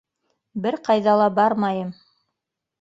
Бер ҡайҙа ла бармайым!